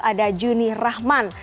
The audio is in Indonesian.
ada juni rahman